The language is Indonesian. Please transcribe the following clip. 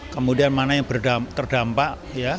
kemudian mana yang terdampak